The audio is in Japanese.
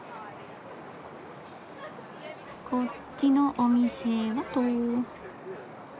こっちのお店はと。